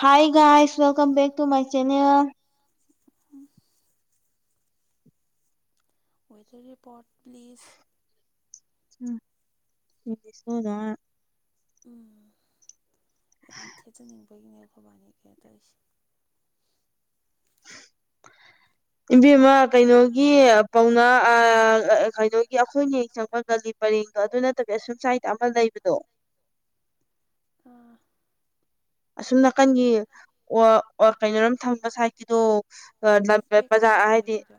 ꯍꯥꯏꯒ ꯍꯥꯏꯁ welcome back to my channel um weather report please ꯎ ꯁꯣꯗ ꯎꯝ ꯌꯥꯝ ꯊꯦꯠꯖꯅꯤꯡꯕ ꯑꯩꯈꯣꯏꯒꯤꯅꯦ ꯊꯧꯕꯥꯅꯤ ꯀꯩꯅꯅ ꯇꯧꯔꯤꯁꯦ [unintelligible] ꯏꯕꯤꯝꯃ ꯀꯩꯅꯣꯒꯤ ꯄꯥꯎꯅꯥ ꯀꯩꯅꯣꯒꯤ ꯑꯩꯈꯣꯏꯅ ꯍꯦꯛ ꯆꯪꯄ ꯀꯜꯂꯤ ꯄꯔꯦꯡꯒ ꯑꯗꯨ ꯅꯠꯇꯕꯤ ꯑꯁꯨꯝ ꯁꯥꯏꯗ ꯑꯃ ꯂꯩꯕꯗꯣ ꯑꯥ ꯑꯁꯨꯝ ꯅꯥꯀꯟꯒꯤ ꯑꯣ ꯑꯣ ꯀꯩꯅꯣꯔꯝ ꯊꯝꯕ ꯁꯥꯏꯠꯀꯤꯗꯣ ꯕꯖꯥꯔ ꯒꯤꯔ ꯂꯩꯕꯗ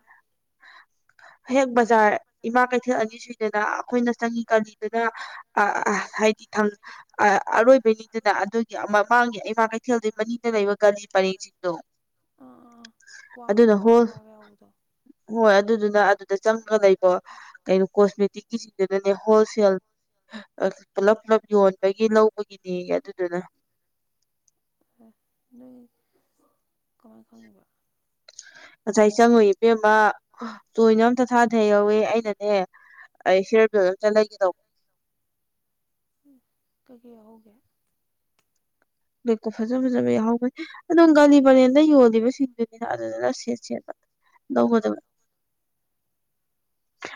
ꯍꯌꯦꯛ ꯕꯖꯥꯔ ꯏꯃꯥ ꯀꯩꯊꯦꯜ ꯑꯅꯤ ꯁꯨꯏꯗꯅ ꯑꯩꯈꯣꯏꯅ ꯆꯪꯏ ꯀꯂꯤꯗꯅ ꯑ ꯍꯥꯏꯗꯤ ꯑꯔꯣꯏꯕꯅꯤꯗꯨꯅ ꯑꯗꯨꯒꯤ ꯑꯃ ꯃꯥꯡꯉꯦ ꯏꯃꯥ ꯀꯩꯊꯦꯜꯗꯒꯤ ꯃꯅꯤꯡꯗ ꯂꯩꯕ ꯒꯂꯤ ꯄꯔꯦꯡꯁꯤꯡꯗꯣ ꯑꯥ ꯑꯥ ꯀ꯭ꯋꯥ ꯑꯗꯨꯅ ꯃꯈꯣꯡ ꯍꯣꯏ ꯀ꯭ꯋꯥꯒ ꯌꯥꯎꯕꯗꯣ ꯍꯣꯏ ꯑꯗꯨꯗꯨꯅ ꯑꯗꯨꯗ ꯆꯪꯉ ꯂꯩꯕꯣ ꯀꯩꯅꯣ ꯀꯣꯁꯃꯦꯇꯤꯛꯀꯤꯁꯤꯡꯗꯨꯗꯅꯦ ꯍꯣꯜꯁꯦꯜ ꯄꯨꯂꯞ ꯄꯨꯂꯞ ꯌꯣꯟꯕꯒꯤ ꯂꯧꯕꯒꯤꯅꯦ ꯑꯗꯨꯗꯨꯅ ꯅꯣꯏ ꯀꯃꯥꯏꯅ ꯈꯪꯉꯤꯕ ꯉꯁꯥꯏ ꯆꯪꯉꯨ ꯏꯕꯦꯝꯃ ꯇꯣꯏꯅ ꯑꯝꯇ ꯊꯥꯊꯩꯍꯧꯋꯦ ꯑꯩꯅꯅꯦ ꯑꯩ ꯁꯤꯑꯥ꯭ꯔꯗ‌ꯣ ꯑꯝꯇ ꯂꯩꯒ‌ꯦ ꯇꯧꯕ ꯀꯩꯀꯩ ꯌꯥꯎꯍ‌ꯧꯒꯦ ꯔ‌ꯦꯀꯣ ꯐꯖ ꯐꯖꯕ ꯌꯥꯎꯍꯧꯕꯅꯤ ꯑꯗꯨꯝ ꯒꯥꯂꯤ ꯄꯔꯦꯟꯗ ꯌꯣꯜꯂꯤꯕꯁꯤꯡꯗꯨꯗꯤ ꯑꯗꯨꯗꯅ ꯁꯦꯠ ꯁꯦꯠ ꯂꯧꯕꯗ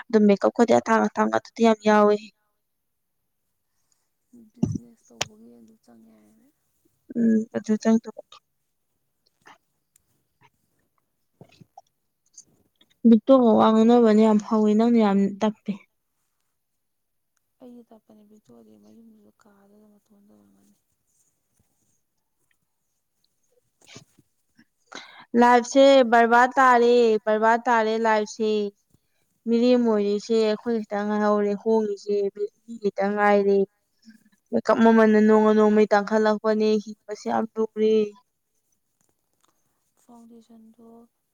ꯑꯗꯨꯝ ꯃꯦꯀꯞ ꯀꯗꯤ ꯑꯇꯥꯡ ꯑꯇꯥꯡꯕ ꯑꯗꯨꯗ ꯌꯥꯝ ꯌꯥꯎ‌ꯑꯦ ꯕꯤꯖꯤꯅꯦꯁ ꯇꯧꯕꯒꯤ ꯑꯗꯨ ꯆꯪꯉ ꯍꯥꯏꯕꯅꯦ ꯎꯝ ꯑꯗꯨ ꯆꯪꯗꯨꯕ ꯚꯤꯛꯇꯣ ꯋꯥ ꯉꯥꯡꯅꯕꯅ ꯌꯥꯝ ꯍꯥꯎꯋ‌ꯦ ꯅꯪꯅ ꯌꯥꯝ ꯇꯥꯞꯄ‌ꯦ ꯑꯩꯗꯤ ꯇꯞꯄꯅꯦ ꯕꯤꯛꯇꯣꯗꯤ ꯃꯌꯨꯝꯗꯨꯗ ꯀꯥꯗꯨꯗ ꯃꯇꯣꯟꯗꯧꯔꯝꯃꯅꯤ ꯂꯥꯏꯐꯁꯦ ꯕ꯭ꯔꯕꯥꯗ ꯇꯥꯔꯦ ꯕ꯭ꯔꯕꯥꯗ ꯇꯥꯔꯦ ꯂꯥꯏꯐꯁꯦ ꯃꯤꯔꯦꯝ ꯑꯣꯏꯔꯤꯁꯦ ꯑꯩꯈꯣꯏ ꯈꯤꯇꯪ ꯉꯥꯏꯍꯧꯔꯦ ꯍꯣꯡꯉꯤꯁꯦ ꯏꯈꯤꯇꯪ ꯉꯥꯏꯔ‌ꯦ ꯃ‌ꯦꯀꯞ ꯃꯃꯟꯅ ꯅꯣꯡꯃ ꯅꯣꯡꯃꯩ ꯇꯥꯡꯈꯠꯂꯛꯄꯅꯦ ꯍꯤꯡꯕꯁꯦ ꯌꯥꯝ ꯂꯨꯔꯦ ꯐꯥꯎꯟꯗꯦꯁꯟꯗꯣ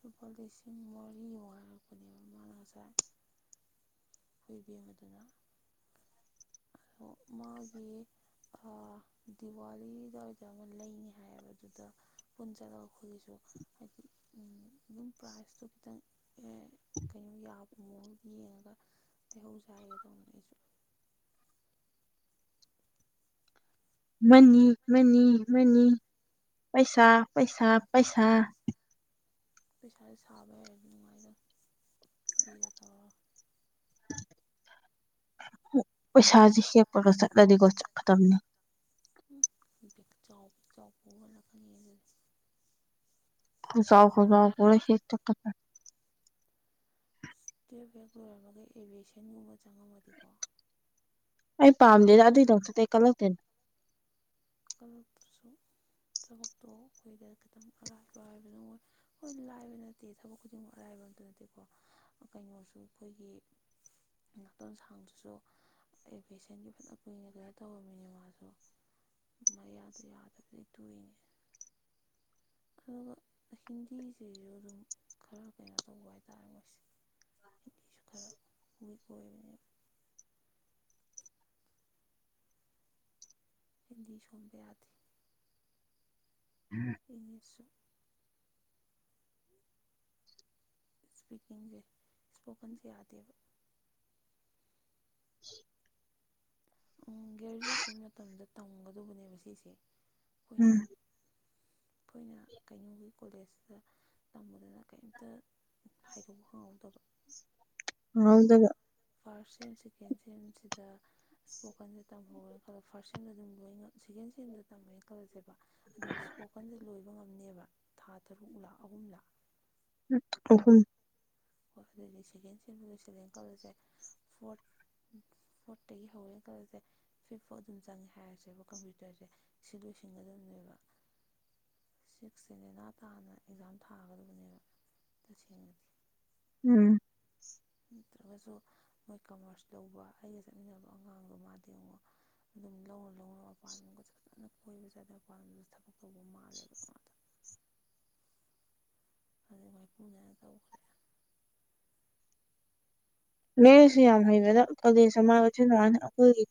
ꯂꯨꯄꯥ ꯂꯤꯁꯤꯡ ꯃꯔꯤ ꯃꯨꯛ ꯍꯥꯏꯔꯛꯄꯅꯦꯕ ꯃꯥꯅ ꯉꯁꯥꯏ ꯅ‌ꯣꯏ ꯏꯕ‌ꯦꯝꯃꯗꯨꯅ ꯑꯣ ꯃꯥꯒꯤ ꯑꯥ ꯗꯤꯋꯥꯂꯤꯗꯨꯋꯥꯏꯗ ꯑꯃ ꯂꯩꯅꯤ ꯍꯥꯏꯌꯦꯕ ꯑꯗꯨꯗ ꯄꯨꯟꯁꯤꯜꯂꯒ ꯑꯩꯈꯣꯏꯒꯤꯁꯨ ꯍꯥꯏꯗꯤ ꯑꯗꯨꯝ ꯄ꯭ꯔꯥꯏꯖꯇꯣ ꯈꯤꯇꯪ ꯑꯦ ꯀꯩꯅꯣ ꯌꯥꯕ ꯃꯑꯣꯡꯗ ꯌꯦꯡꯉꯒ ꯂꯩꯍꯧꯁ‌ꯦ ꯍꯥꯏꯒ‌ꯦ ꯇꯧꯅꯤ ꯑꯩꯁꯨ ꯃꯅꯤ ꯃꯅꯤ ꯃꯅꯤ ꯄꯩꯁꯥ ꯄꯩꯁꯥ ꯄꯩꯁꯥ ꯄꯩꯁꯥꯖ‌ꯦ ꯁꯥꯕꯥ ꯍꯩꯔꯗꯤ ꯅꯨꯡꯉꯥꯏꯗꯧꯅ‌ꯦ ꯆ‌ꯦꯗ ꯇꯧꯔꯥ ꯄꯩꯁꯥꯖ‌ꯦ ꯍꯦꯛꯞꯄꯒ ꯆꯠꯂꯗꯤꯀꯣ ꯆꯠꯀꯗꯕꯅꯤ ꯎꯝ ꯕ‌ꯦꯛꯆꯥꯎ ꯕ‌ꯦꯛ ꯆꯥꯎ ꯄꯨꯔ ꯍꯜꯂꯛꯀꯅꯤꯍ‌ꯦ ꯗꯨꯗꯤ ꯈꯧꯖꯥꯎ ꯈꯧꯖꯥꯎ ꯄꯨꯔ ꯍꯦꯛ ꯆꯠꯀꯗꯝꯅ‌ꯦ ꯇ꯭ꯋ‌ꯦꯞ ꯍ‌ꯦꯛ ꯂꯣꯏꯔꯝꯕꯒ ꯑꯦꯚꯤꯌꯦꯁꯟꯒꯨꯝꯕ ꯆꯪꯉꯝꯃꯗꯤꯀꯣ ꯑꯩ ꯄꯥꯝꯗꯦꯗ ꯑꯗꯨꯏ ꯊꯕꯛꯇꯨꯗꯤ ꯑꯩ ꯀꯜꯂꯛ ꯀꯂꯛꯄꯁꯨ ꯊꯕꯛꯇꯣ ꯑꯩꯈꯣꯏꯗ ꯈꯤꯇꯪ ꯑꯔꯥꯏꯕ ꯍꯥꯏꯕꯗꯨ ꯑ‌ꯣꯏ ꯍꯣꯏ ꯂꯥꯏꯕ ꯅꯠꯇꯦ ꯊꯕꯛ ꯈꯨꯗꯤꯡꯃꯛ ꯑꯔꯥꯏꯕ ꯑꯝꯇ ꯅꯠꯇꯦꯀꯣ ꯀꯩꯅꯣꯁꯨ ꯑꯩꯈꯣꯏꯒꯤ ꯉꯥꯇꯣꯟ ꯁꯥꯡꯗꯨꯁꯨ ꯑ‌ꯦꯚꯤꯌ‌ꯦꯁꯟꯒꯤ ꯐꯅ ꯀꯨꯏꯅ ꯂꯩꯔꯥ ꯇꯧꯔꯝꯃꯤꯅꯦ ꯃꯥꯁꯨ ꯃꯌꯥꯗꯣ ꯌꯥꯗꯕꯗꯩ ꯇ‌ꯣꯛꯏꯅꯦ ꯑꯗꯨꯒ ꯍꯤꯟꯗꯤꯁꯤꯁꯨ ꯑꯗꯨꯝ ꯈꯔ ꯀꯩꯅꯣ ꯇꯧꯕ ꯍꯥꯏꯇꯥꯔꯦ ꯃꯣꯏꯁꯦ ꯍꯤꯟꯗꯤꯁꯨ ꯈꯔ ꯋꯤꯛ ꯑ‌ꯣꯏꯕꯅꯦꯕ ꯍꯤꯟꯗꯤ ꯁꯣꯟꯕ ꯌꯥꯗꯦ ꯏꯅꯤꯁꯁꯨ ꯁ꯭ꯄꯤꯀꯤꯡꯁꯦ ꯁ꯭ꯄꯣꯀꯟꯁꯦ ꯌꯥꯗꯦꯕ ꯎꯝ ꯒ꯭ꯔꯦꯖꯨꯋꯦꯁꯟ ꯃꯇꯝꯗ ꯇꯝꯒꯗꯧꯕꯅꯦꯕ ꯁꯤꯁꯦ ꯎꯝ ꯑꯩꯈꯣꯏꯅ ꯑꯩꯈꯣꯏꯅ ꯀꯩꯅꯣꯒꯤ ꯀꯣꯂꯦꯖꯗ ꯇꯝꯃꯨꯗꯅ ꯀꯩꯝꯇ ꯈꯥꯏꯗꯣꯛꯄ ꯐꯪꯍꯧꯗꯕ ꯍꯥꯉꯥꯜꯗꯒ ꯐꯥ꯭ꯔꯁ ꯁꯦꯝ ꯁꯦꯀꯦꯟ ꯁꯦꯝꯁꯤꯗ ꯏꯁꯄꯣꯀꯟꯁꯦ ꯇꯝꯍꯧꯔꯦꯅ ꯈꯜꯂꯣ ꯐꯥ꯭ꯔꯁ ꯁꯦꯝꯗ ꯑꯗꯨꯝ ꯂꯣꯏ ꯁꯦꯀꯦꯟ ꯁꯦꯝꯗ ꯇꯝꯃꯦꯅ ꯈꯜꯂꯁꯦꯕ ꯑꯗꯨꯝ ꯏꯁꯄꯣꯀꯟꯁ ꯂꯣꯏꯕ ꯉꯝꯅꯦꯕ ꯊꯥ ꯇꯔꯨꯛ ꯂꯥ ꯑꯍꯨꯝꯂꯥ ꯑꯍꯨꯝ ꯍ‌ꯣꯏ ꯑꯗꯨꯏꯗꯤ ꯁꯦꯀꯦꯟ ꯁꯦꯝꯖꯨ ꯂ‌ꯣꯏꯁꯤꯜꯂ‌ꯦꯅ ꯈꯜꯂꯁꯦ ꯐꯣ꯭ꯔꯠ ꯐ‌ꯣ꯭ꯔꯠꯇꯒꯤ ꯍꯧꯔꯦꯅ ꯈꯜꯂꯁꯦ ꯐꯤꯞꯐꯥꯎ ꯑꯗꯨꯝ ꯆꯪꯉꯦ ꯍꯥꯏꯔꯁꯦꯕ ꯀꯝꯄ꯭ꯌꯨꯇ꯭ꯔꯁꯦ ꯁꯤ ꯂꯣꯏꯁꯤꯟꯒꯗꯕꯅꯦꯕ ꯁꯤꯛꯁꯁꯦ ꯂꯦꯅꯥ ꯇꯥꯅ ꯑꯦꯛꯖꯥꯝ ꯊꯥꯒꯗꯕꯅꯦꯕ ꯇꯁꯦꯡꯅꯗꯤ ꯎꯝ ꯅꯠꯇ꯭ꯔꯒꯁꯨ ꯃꯣꯏ ꯀꯃ꯭ꯔꯁ ꯂꯧꯕ ꯑꯩꯒ ꯆꯠꯃꯤꯟꯅꯕ ꯑꯉꯥꯡꯗꯣ ꯃꯥꯗꯤ ꯌꯦꯡꯉꯣ ꯑꯗꯨꯝ ꯂꯧꯔ ꯂꯧꯔ ꯃꯄꯥꯜꯂꯝꯒ ꯐꯖꯅ ꯀꯣꯏꯕ ꯆꯥꯠꯇꯅ ꯃꯄꯥꯟꯗꯁꯨ ꯊꯕꯛ ꯇꯧꯕ ꯃꯥꯜꯂꯦꯕ ꯃꯥꯗꯣ ꯑꯗꯨꯩ ꯃꯥꯏꯄꯨꯅꯅ ꯇꯧꯈ꯭ꯔꯦ ꯂꯦꯔꯤꯁꯨ ꯌꯥꯝ ꯍꯩꯕꯗ ꯀꯂꯦꯖ ꯑꯃ ꯑꯣꯏꯁꯤ ꯥꯏꯅ ꯑꯩꯈꯣꯏꯒꯤ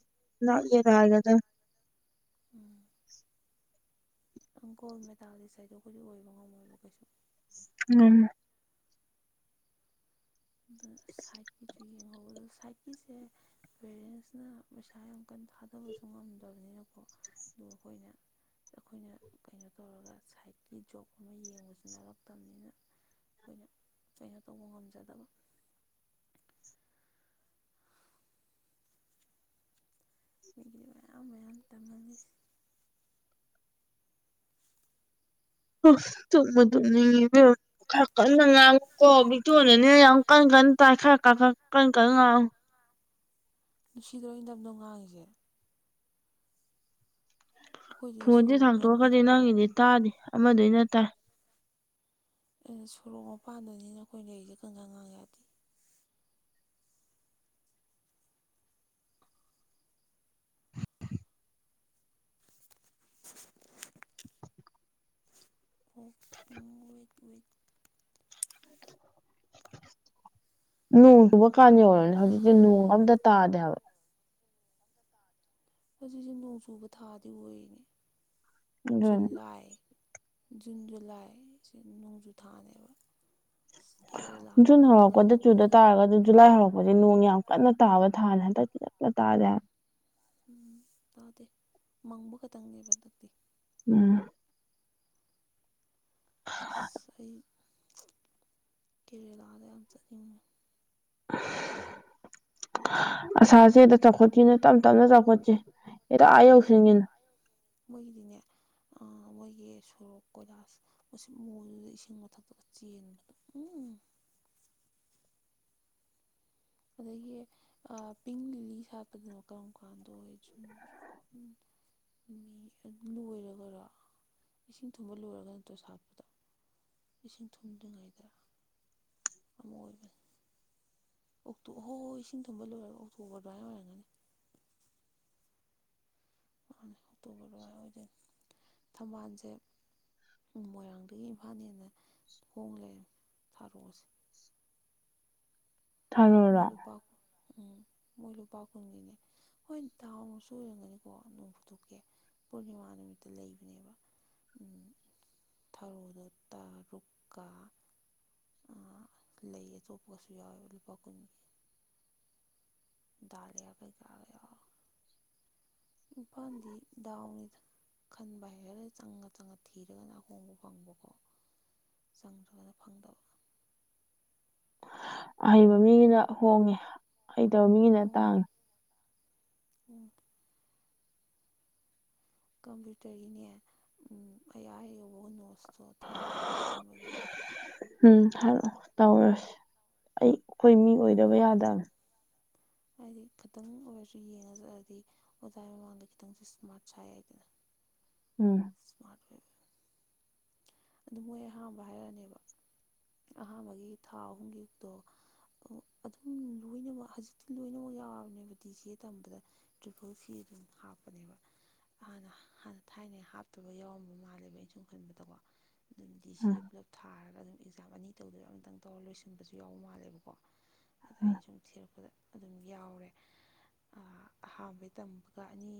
ꯂꯅꯥꯥꯛ ꯌꯦꯦ ꯍꯥꯏꯔꯗ ꯎꯝ ꯪ ꯒꯣꯜ ꯃꯦꯇꯥꯂꯤꯁ ꯍꯥꯏꯗꯣꯈꯣꯏꯗꯤ ꯑꯣꯏꯕ ꯉꯝꯃꯣꯏꯕ ꯀꯩꯁꯨ ꯎꯝ ꯑꯗꯨ ꯁꯥꯏꯠꯀꯤꯁꯨ ꯌꯦꯡꯍꯧꯕ ꯑꯗꯨꯗ ꯁꯥꯏꯠꯀꯤꯁꯦ ꯄꯦꯔꯦꯟꯁꯅ ꯄꯩꯁꯥ ꯌꯥꯝ ꯀꯟꯅ ꯊꯥꯗꯕꯁꯨ ꯉꯝꯗꯕꯅꯤꯅꯀꯣ ꯑꯗꯨ ꯑꯩꯈꯣꯏꯅ ꯑꯩꯈꯣꯏꯅ ꯀꯩꯅꯣ ꯇꯧꯔꯒ ꯁꯥꯏꯠꯀꯤ ꯖꯣꯕ ꯑꯃ ꯌꯦꯡꯕꯁꯨ ꯅꯥꯔꯛꯇꯕꯅꯤꯅ ꯑꯩꯈꯣꯏꯅ ꯀꯩꯅ ꯇꯧꯕ ꯉꯝꯖꯗꯕ ꯃꯤꯒꯤꯗꯤ ꯃꯌꯥꯝ ꯃꯌꯥꯝ ꯇꯝꯍꯜꯂꯤ ꯍ ꯊꯃ ꯑꯗꯨꯅꯤ ꯈꯔ ꯀꯟꯅ ꯉꯥꯡꯉꯨꯀꯣ ꯕꯤꯇꯣꯗꯅꯦ ꯌꯥꯝ ꯀꯟ ꯀꯟꯅ ꯇꯥꯏ ꯈꯔ ꯈ ꯀꯟ ꯀꯟꯅ ꯉꯥꯡꯉꯨ ꯅꯨꯡꯁꯤꯗꯣꯣꯏ ꯏꯗꯕꯅꯣ ꯉꯥꯡꯉꯤꯁꯦ ꯑꯩꯈꯣꯏꯗꯤ ꯐꯣꯟꯁꯦ ꯁꯣꯔꯣꯛ ꯂꯝꯕꯤ ꯊꯥꯡꯇꯣꯛꯑꯒꯗꯤ ꯅꯪꯒꯤꯗꯤ ꯇꯥꯗꯦ ꯑꯃꯗꯅ ꯇꯥꯏ ꯑꯩꯅ ꯁꯣꯔꯣꯛ ꯃꯄꯥꯟꯗꯅꯤꯅ ꯑꯩꯈꯣꯏ ꯂꯩꯔꯤꯁꯦ ꯀꯪꯒ ꯉꯥꯡ ꯌꯥꯗꯦ ꯍꯞꯨꯋꯤꯠ ꯋꯤꯠ ꯅꯣꯡ ꯇꯨꯕ ꯀꯥꯟꯗ ꯌꯧꯔꯕꯅꯦ ꯍꯧꯖꯤꯛꯇꯤ ꯅꯣꯡ ꯑꯝꯇ ꯇꯥꯗꯦꯕ ꯍꯧꯖꯤꯛꯁꯦ ꯅꯣꯡ ꯆꯨꯕ ꯊꯥꯗꯤ ꯑꯣꯏꯔꯤꯅꯦ ꯑꯗꯨꯅꯤ ꯖꯨꯂꯥꯏ ꯖꯨꯟ ꯖꯨꯂꯥꯏ ꯁꯤ ꯅꯣꯡꯖꯨ ꯊꯥꯅꯦꯕ ꯑꯁ ꯖꯨꯟ ꯀꯦꯔꯦꯂꯥꯗꯒꯗꯤ ꯍꯧꯛꯀ ꯑꯗꯨ ꯆꯨꯗ ꯅꯩꯔꯝꯒꯅꯤ ꯇꯥꯔꯒꯗꯤ ꯖꯨꯂꯥꯏ ꯍꯧ ꯗꯤ ꯅꯣꯡ ꯌꯥꯝ ꯀꯟꯅ ꯇꯥꯕ ꯊꯥꯔꯦ ꯍꯟꯗꯛꯇꯤ ꯀꯅ ꯇꯥꯔꯦ ꯎꯝ ꯇꯥꯗꯦ ꯃꯪꯕ ꯈꯛꯇꯪꯅꯦꯕ ꯍꯟꯗꯛꯇꯤ ꯎꯝ ꯑꯁ ꯑꯩ ꯀꯦꯔꯦꯂꯥꯗ ꯌꯥꯝ ꯆꯠꯅꯤꯡꯉꯦ ꯑꯁꯥꯁꯦꯗ ꯆꯥꯎꯈꯠꯈꯤꯅ ꯇꯞ ꯇꯞꯅ ꯆꯥꯎꯈꯠꯁꯤ ꯍꯗ ꯑꯥ ꯍꯥꯏꯗꯤ ꯌꯧꯁꯤꯒꯤꯅ ꯃꯣꯏꯒꯤꯗꯤꯅꯦ ꯃꯣꯏꯒꯤ ꯁꯣꯔꯣꯛ ꯀꯣꯏꯂꯁ ꯃꯁꯤ ꯃꯣꯜꯗꯨꯗ ꯏꯁꯤꯡ ꯃꯊꯛꯇꯒ ꯆꯦꯟꯕꯗ ꯎꯝ ꯑꯗꯒꯤ ꯄꯤꯡ ꯂꯤꯂꯤ ꯁꯥꯠꯄꯗꯅꯣ ꯀꯔꯝ ꯀꯥꯟꯗꯣ ꯑꯣꯏ ꯆꯦ ꯎꯝ ꯑꯗꯨ ꯂꯣꯏꯔꯒꯔꯣ ꯏꯁꯤꯡ ꯊꯨꯝꯕ ꯂꯣꯏꯔꯒ ꯅꯠꯇ꯭ꯔꯣ ꯁꯥꯠꯄꯗꯣ ꯏꯁꯤꯡ ꯊꯨꯝꯗꯉꯩꯗ ꯑꯃ ꯑꯣꯏꯕ ꯑꯣꯣ ꯍꯣꯏ ꯍꯣꯏ ꯏꯁꯤꯡ ꯊꯨꯝꯝꯕ ꯂꯣꯏꯔꯦ ꯑꯣꯛꯇꯣꯕꯔ ꯑꯗꯨꯋꯥꯥꯏ ꯑꯣꯏꯔꯒꯅꯤ ꯃꯥꯅꯦ ꯑꯣꯛꯇꯣꯕꯔ ꯑꯗꯨꯋꯥꯏ ꯑꯣꯏꯗꯣꯏꯅꯤ ꯊꯝꯕꯥꯜꯁꯦ ꯃꯣꯏꯔꯥꯡꯗꯒꯤ ꯏꯝꯐꯥꯜ ꯍꯦꯅ ꯊꯣꯡ ꯂꯩ ꯊꯥꯔꯣꯛꯑꯁꯦ ꯃꯣꯏ ꯊꯥꯔꯨꯔꯣ ꯂꯨꯄꯥ ꯎꯝ ꯃꯣꯏ ꯂꯨꯄꯥ ꯀꯟꯒꯤꯅꯦ ꯍꯣꯏ ꯊꯥꯎ ꯑꯃꯨꯛ ꯁꯔꯝꯒꯅꯤꯀꯣ ꯅꯣꯡꯐꯨꯇꯣꯛꯀꯦ ꯄꯨꯔꯅꯤꯃꯥ ꯅꯨꯃꯤꯠꯇ ꯂꯩꯕꯅꯦꯕ ꯊꯔꯣꯗ ꯇꯔꯨꯛꯀ ꯑ ꯂꯩꯌꯦ ꯑꯇꯣꯞꯄꯒꯁꯨ ꯌꯥꯎꯋꯦꯕ ꯂꯨꯄꯥ ꯀꯨꯟꯒꯤ ꯗ ꯂꯌꯥ ꯀꯩ ꯀ ꯄꯥꯟꯗꯤ ꯗꯗꯥꯎꯅꯤꯗ ꯈꯟꯕ ꯍꯥꯏꯔꯒ ꯆꯪꯉ ꯆꯪꯉ ꯊꯤꯔꯒꯅ ꯑꯍꯣꯡꯕ ꯐꯪꯕꯀꯣ ꯆꯪꯗ꯭ꯔꯕꯅ ꯐꯪꯗꯕ ꯑꯍꯩꯕ ꯃꯤꯒꯤꯅ ꯍꯣꯡꯉꯦ ꯍꯩꯇꯕ ꯃꯤꯒꯤꯅ ꯇꯥꯡꯉꯤ ꯎꯝ ꯀꯝꯄ꯭ꯌꯨꯇꯔꯒꯤꯅꯦ ꯑꯩ ꯑꯥ ꯍꯦꯛ ꯌꯧꯕꯒ ꯅꯣꯠꯁꯇꯣ ꯊꯥꯕꯤꯔꯛꯀꯦ ꯑꯍꯥꯟꯕꯒꯤꯗꯣ ꯎꯝ ꯍꯥꯏꯔꯛꯑꯣ ꯇꯧꯔꯁꯤ ꯑꯩ ꯑꯩꯈꯣꯏ ꯃꯤ ꯑꯣꯏꯗꯕ ꯌꯥꯗꯕꯅꯤ ꯍꯥꯏꯗꯤ ꯈꯤꯇꯪ ꯑꯣꯏꯔꯁꯨ ꯌꯦꯡꯉ ꯆꯑꯗꯤ ꯑꯣꯖꯥ ꯃꯃꯥꯡꯗ ꯈꯤꯇꯪꯁꯦ ꯏꯁꯃꯥꯔꯠ ꯁꯥꯏꯏꯗꯅ ꯎꯝ ꯏꯁ꯭ꯃꯥꯠ ꯦꯛ ꯑꯗꯨ ꯃꯣꯏ ꯑꯍꯝꯕ ꯍꯥꯏꯔꯛꯑꯅꯦꯕ ꯑꯍꯥꯟꯕꯒꯤ ꯊꯥ ꯑꯍꯨꯝꯒꯤ ꯗꯣ ꯑꯣ ꯑꯗꯨꯝ ꯂꯣꯏꯅꯃꯛ ꯍꯧꯖꯤꯛꯇꯤ ꯂꯣꯏꯅꯃꯛ ꯌꯥꯎꯔꯕꯅꯦꯕ ꯗꯤꯖꯦ ꯇꯝꯕꯗ ꯇ꯭ꯔꯤꯄꯨꯜ ꯐꯤ ꯑꯗꯨꯝ ꯍꯥꯞꯄꯅꯦꯕ ꯍꯥꯟꯅ ꯍꯥꯟꯅ ꯊꯥꯏꯅꯩ ꯍꯥꯞꯇꯕ ꯌꯥꯎꯔꯝꯕ ꯃꯥꯜꯂꯦꯕ ꯑꯩꯅꯁꯨꯝ ꯈꯟꯕꯗꯀꯣ ꯗꯨꯅ ꯗꯤꯁꯤ ꯎꯝ ꯄꯨꯂꯞ ꯊꯥꯔꯒ ꯑꯗꯨꯝ ꯑꯦꯛꯖꯥꯝ ꯑꯅꯤ ꯇꯧꯗꯣꯏ ꯑꯝꯇꯪ ꯇꯧꯔ ꯂꯣꯏꯁꯤꯟꯕꯁꯨ ꯌꯥꯎꯕ ꯃꯥꯜꯂꯦꯕꯀꯣ ꯑꯗ ꯎꯝ ꯑꯩꯅ ꯁꯨꯝ ꯊꯤꯔꯛꯄꯗ ꯑꯗꯨꯝ ꯌꯥꯎꯔꯦ ꯑꯍꯝꯕꯩ ꯇꯝꯕꯒ ꯑꯅꯤ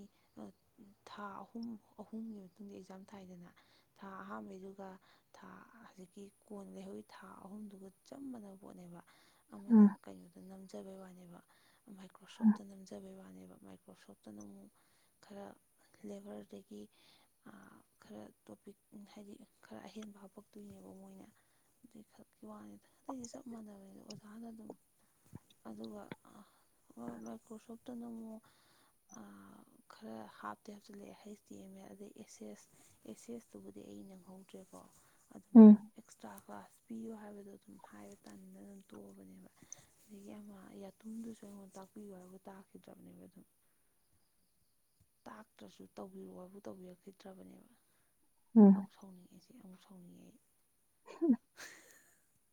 ꯊꯥ ꯑꯍꯨꯝ ꯑꯍꯨꯝꯒꯤ ꯃꯇꯨꯡꯗ ꯑꯦꯛꯖꯥꯝ ꯊꯥꯏꯗꯅ ꯊꯥ ꯑꯍꯝꯕꯗꯨꯒ ꯊꯥ ꯍꯧꯖꯤꯛꯀꯤ ꯀꯣꯟ ꯂꯩꯍꯣꯏ ꯊꯥ ꯑꯍꯨꯝꯗꯨꯒ ꯆꯞ ꯃꯥꯟꯅꯕ ꯄꯣꯠꯅꯦꯕ ꯑꯃꯅ ꯎꯝ ꯀꯩꯅꯣꯗ ꯅꯝꯖꯕꯩ ꯋꯥꯅꯦꯕ ꯃꯥꯏꯀ꯭ꯔꯣꯁꯣꯞꯇ ꯅꯝꯖꯕꯩ ꯋꯥꯅꯦꯕ ꯃꯥꯏꯀ꯭ꯔꯣꯁꯣꯞꯇꯅ ꯑꯃꯨꯛ ꯈꯔ ꯂꯦꯕꯔꯗꯒꯤ ꯈꯔ ꯇꯣꯄꯤꯛ ꯍꯥꯏꯗꯤ ꯈꯔ ꯑꯍꯦꯟꯕ ꯍꯥꯞꯄꯛꯇꯣꯏꯅꯦꯕ ꯃꯣꯏꯅ ꯑꯗꯨꯩ ꯈꯛꯀꯤ ꯋꯥꯅꯤꯗ ꯑꯇꯩꯗꯤ ꯆꯞ ꯃꯥꯟꯅꯕꯅꯤꯗ ꯑꯣꯖꯥꯅ ꯑꯗꯨꯝ ꯑꯗꯨꯒ ꯃꯥꯏꯀ꯭ꯔꯣꯁꯣꯞꯇꯅ ꯑꯃꯨꯛ ꯈꯔ ꯍꯥꯞꯇꯦ ꯍꯥꯞꯁꯜꯂꯦ ꯍꯩꯁ ꯗꯤ ꯑꯦꯝ ꯑꯦ ꯑꯗꯩ ꯑꯦꯁ ꯑꯦꯁ ꯑꯦꯁꯦꯁꯇꯨꯕꯨꯗꯤ ꯑꯩ ꯅꯪꯍꯧꯗ꯭ꯔꯦꯀꯣ ꯑꯗꯨꯝ ꯎꯝ ꯑꯦꯛꯁꯇ꯭ꯔꯥ ꯀ꯭ꯂꯥꯁ ꯄꯤꯌꯣ ꯍꯥꯏꯕꯗꯣ ꯑꯗꯨꯝ ꯍꯥꯏꯕ ꯇꯟꯗꯅ ꯑꯗꯨꯝ ꯇꯣꯛꯑꯕꯅꯦꯕ ꯑꯗꯒꯤ ꯑꯃ ꯌꯥꯇꯨꯝꯗꯨꯁꯨ ꯑꯩꯉꯣꯟꯗ ꯇꯥꯛꯄꯤꯌꯨ ꯍꯥꯏꯕꯨ ꯇꯥꯈꯤꯗ꯭ꯔꯕꯅꯦꯕ ꯑꯗꯨꯝ ꯇꯥꯛꯇ꯭ꯔꯁꯨ ꯇꯧꯕꯤꯔꯛꯑꯣ ꯍꯥꯏꯕꯨ ꯇꯧꯕꯤꯔꯛꯈꯤꯗ꯭ꯔꯕꯅꯦꯕ ꯑꯃꯛ ꯁꯥꯎꯅꯤꯡꯉ ꯑꯦꯁ ꯑꯨ ꯁꯥꯎꯅꯤꯡꯉ ꯑꯩ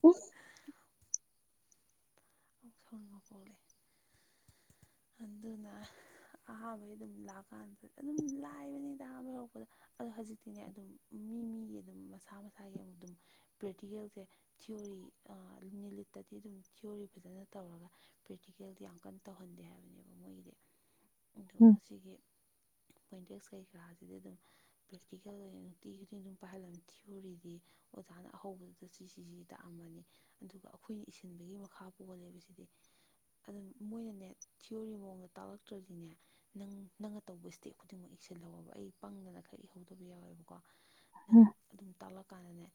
ꯎ ꯃꯨꯛ ꯁꯥꯎꯅꯤꯡꯕ ꯄꯣꯛꯂꯛꯑꯦ ꯑꯗꯨꯅ ꯑꯍꯥꯕꯒꯤ ꯑꯗꯨꯝ ꯂꯥꯛꯑꯀꯥꯟꯗ ꯑꯗꯨꯝ ꯂꯥꯏꯕꯅꯤꯗ ꯑꯥꯕ ꯌꯔꯛꯄꯗ ꯑꯗꯣ ꯍꯧꯖꯤꯛꯇꯤꯅꯦ ꯑꯗꯨꯝ ꯃꯤ ꯃꯤꯒꯤ ꯑꯗꯨꯝ ꯃꯁꯥ ꯃꯁꯥꯒꯤ ꯑꯃꯨꯛ ꯑꯗꯨꯝ ꯄ꯭ꯔꯦꯛꯇꯤꯀꯦꯜꯁꯦ ꯊꯤꯑꯣꯣꯔꯤ ꯂꯤꯃꯤꯠꯇꯗꯤ ꯑꯗꯨꯝ ꯊꯤꯑꯣꯣꯔꯤ ꯐꯖꯅ ꯇꯧꯔꯒ ꯄ꯭ꯔꯦꯛꯇꯤꯀꯦꯜꯗꯤ ꯌꯥꯝ ꯀꯟꯅ ꯇꯧꯍꯟꯗꯦ ꯍꯥꯏꯕꯅꯦꯕ ꯃꯣꯏꯒꯤꯗꯤ ꯑꯣ ꯎꯝ ꯑꯁꯤꯒꯤ ꯄꯣꯏꯟꯇꯦꯛꯁ ꯀꯩꯀꯔꯥꯁꯤꯗꯤ ꯑꯗꯨꯝ ꯄ꯭ꯔꯦꯛꯇꯤꯀꯦꯜ ꯑꯣꯏꯅ ꯅꯨꯡꯇꯤ ꯈꯨꯗꯤꯤ ꯑꯗꯨꯝ ꯄꯥꯏꯍꯜꯂꯝꯃꯤ ꯊꯤꯑꯣꯣꯔꯤꯗꯤ ꯑꯣꯖꯥꯅ ꯑꯍꯧꯕꯗꯨꯗ ꯁꯤꯁꯤꯁꯤ ꯇꯥꯛꯑꯝꯃꯅꯤ ꯑꯗꯨꯒ ꯑꯩꯈꯣꯏꯅ ꯏꯁꯤꯟꯕꯒꯤ ꯃꯈꯥ ꯄꯣꯜꯂꯦꯕꯁꯤꯗꯤ ꯑꯗꯨꯝ ꯃꯣꯏꯅꯅꯦ ꯊꯤꯑꯣꯣꯔꯤ ꯃꯑꯣꯡꯗ ꯇꯥꯛꯂꯛꯇ꯭ꯔꯗꯤꯅꯦ ꯅꯪ ꯅꯪꯅ ꯇꯧꯕ ꯏꯁꯇꯦꯞ ꯈꯨꯗꯤꯡꯃꯛ ꯏꯛꯁꯤꯜꯍꯧꯕ ꯑꯩ ꯄꯪꯗꯅ ꯈꯔ ꯏꯍꯧꯗꯕ ꯌꯥꯎꯋꯦꯕꯀꯣ ꯀꯣ ꯅꯪ ꯎꯝ ꯑꯗꯨꯝ ꯇꯥꯛꯂꯛꯀꯥꯟꯗꯅꯦ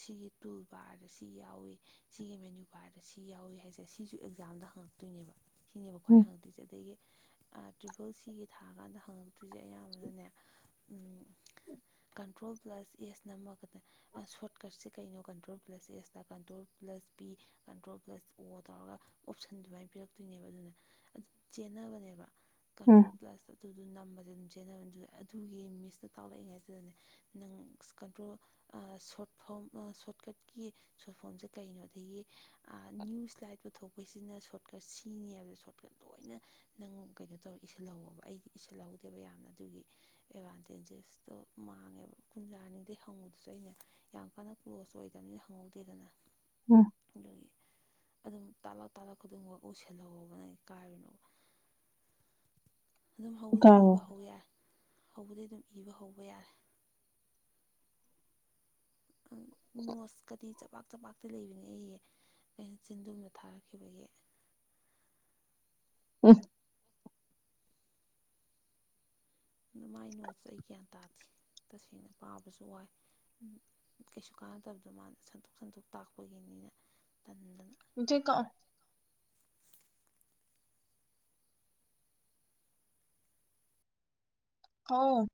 ꯁꯤꯒꯤ ꯇꯨꯜ ꯕꯥꯔꯗ ꯁꯤ ꯌꯥꯎꯏꯤ ꯁꯤꯒꯤ ꯃꯦꯅ꯭ꯌꯨ ꯕꯥꯔꯗ ꯁꯤ ꯌꯥꯎꯏꯤ ꯍꯥꯏꯁꯦ ꯁꯤꯁꯨ ꯑꯦꯛꯖꯥꯝꯗ ꯍꯪꯉꯦ ꯆ ꯇꯣꯏꯅꯦꯕ ꯁꯤꯅꯦꯕ ꯎꯝ ꯈ꯭ꯋꯥꯏ ꯎꯝ ꯍꯪꯉꯛꯇꯣꯏꯁꯦ ꯑꯗꯒꯤ ꯇ꯭ꯔꯤꯄꯜ ꯁꯤꯒꯤ ꯊꯥꯔꯀꯥꯟꯗ ꯍꯪꯉꯛꯇꯣꯏꯁꯦ ꯑꯌꯥꯝꯕꯅꯅꯦ ꯀꯟꯇ꯭ꯔꯣꯜ ꯄ꯭ꯂꯁ ꯑꯦꯁ ꯅꯝꯃꯒꯗ ꯁꯣꯔꯠꯀꯠꯁꯦ ꯀꯩꯅꯣ ꯀꯟꯇ꯭ꯔꯣꯜ ꯄ꯭ꯂꯁ ꯑꯦꯁꯇ control plus B control plus O ꯇꯧꯔꯒ ꯑꯣꯞꯁꯟ ꯑꯗꯨꯃꯥꯏꯅ ꯄꯤꯔꯛꯇꯣꯏꯅꯦꯕ ꯑꯗꯨꯅ ꯑꯗꯨ ꯆꯦꯟꯅꯕꯅꯦꯕ ꯎꯝ ꯎꯝ ꯀꯟꯇ꯭ꯔꯣꯜ ꯄ꯭ꯂꯁꯇ ꯑꯗꯨꯗꯣ ꯅꯝꯕꯁ ꯑꯗꯨꯝ ꯆꯦꯟꯅꯕꯅꯤ ꯑꯗꯨ ꯑꯗꯨꯒꯤ ꯃꯤꯁꯇ ꯇꯥꯛꯂꯛꯏꯉꯩꯁꯤꯗꯅꯦ ꯅꯪ ꯀꯟꯇ꯭ꯔꯣꯜ ꯁꯣꯔꯠ ꯐꯣꯝ ꯁꯣꯔꯠꯀꯠꯀꯤ ꯁꯣꯔꯠ ꯐꯣꯝꯁꯦ ꯀꯩꯅꯣ ꯑꯗꯒꯤ ꯅ꯭ꯌꯨꯁ ꯂꯥꯏꯠ ꯄꯨꯊꯣꯛꯄꯩꯁꯤꯅ ꯁꯣꯔꯠꯀꯠ ꯀꯤꯉꯦ ꯍꯥꯏꯕꯗ ꯁꯣꯔꯠꯀꯠ ꯂꯣꯏꯅ ꯅꯪ ꯀꯩꯅꯣ ꯇꯧꯔꯒ ꯏꯁꯤꯜꯍꯧꯕ ꯑꯩꯗꯤ ꯏꯁꯤꯜꯍꯧꯗꯦꯕ ꯌꯥꯝꯅ ꯑꯗꯨꯒꯤ ꯑꯦꯗꯚꯥꯟꯇꯦꯖꯦꯁꯇꯣ ꯃꯥꯡꯉꯦꯕ ꯀꯟꯖꯥꯅꯤꯗꯩ ꯍꯪꯉꯨꯗꯨꯁꯨ ꯑꯩꯅ ꯌꯥꯝ ꯀꯟꯅ ꯀ꯭ꯂꯣꯁ ꯑꯣꯏꯗꯕꯅꯤꯅ ꯈꯪꯍꯧꯗꯦꯗꯅ ꯎꯝ ꯑꯗꯨꯒꯤ ꯑꯗꯨꯝ ꯇꯥꯂꯛ ꯇꯥꯂꯛ ꯈꯨꯗꯤꯡꯃꯛ ꯀꯁꯦꯜꯍꯧꯕ ꯅꯪ ꯀꯥꯏꯔꯨꯅꯨꯕ ꯑꯗꯨꯝ ꯍꯧꯕꯗꯤ ꯀꯥꯎ ꯏꯕ ꯍꯧ ꯌꯥꯏ ꯍꯧꯕꯗꯤ ꯑꯗꯨꯝ ꯏꯕ ꯍꯧꯕ ꯌꯥꯔꯦ ꯃꯣꯁꯀꯗꯤ ꯆꯄꯥꯛ ꯆꯄꯥꯛꯇꯤ ꯂꯩꯕꯅꯦ ꯑꯩꯑꯦ ꯑꯩꯅ ꯆꯤꯟꯗꯨꯨꯝꯗ ꯊꯥꯔꯛꯈꯤꯕꯒꯤ ꯎꯝ ꯑꯗꯨꯅ ꯃꯥꯏ ꯅꯣꯠꯁ ꯑꯩ ꯒ꯭ꯌꯥꯟ ꯇꯥꯗꯦ ꯇꯁꯦꯡꯅ ꯄꯥꯕꯁꯨ ꯋꯥꯏ ꯀꯩꯁꯨ ꯀꯥꯟꯅꯗꯕꯗꯣ ꯃꯥꯅ ꯁꯟꯊꯣꯛ ꯁꯟꯊꯣꯛ ꯇꯥꯛꯄꯒꯤꯅꯤꯅ ꯇꯟꯗꯅ [unintelligible] ꯍꯥꯎ